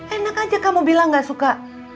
enak aja kamu bilang gak suka